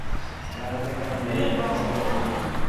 কার হাতে কার মরণ লেখা আছে দেখাই যাক!